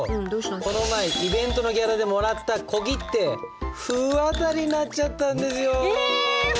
この前イベントのギャラでもらった小切手不渡りになっちゃったんですよ。